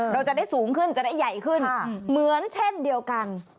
เราจะได้สูงขึ้นจะได้ใหญ่ขึ้นเหมือนเช่นเดียวกัน